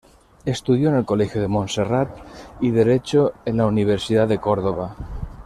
Estudió en el Colegio de Monserrat, y derecho en la Universidad de Córdoba.